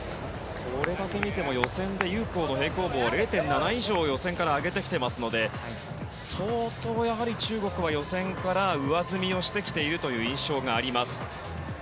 これだけ見ても予選を見てもユウ・コウの平行棒は０．７以上予選から上げてきていますので相当、中国は予選から上積みしてきているという印象があります。